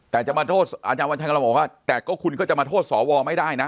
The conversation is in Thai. แต่จะมาโทษอาจารย์วันชัยกำลังบอกว่าแต่ก็คุณก็จะมาโทษสวไม่ได้นะ